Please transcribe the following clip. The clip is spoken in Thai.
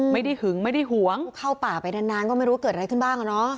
หึงไม่ได้หวงเข้าป่าไปนานก็ไม่รู้เกิดอะไรขึ้นบ้าง